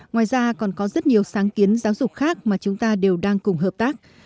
ngoài ra còn có rất nhiều sáng kiến giáo dục khác mà chúng ta đều đang cùng hợp tác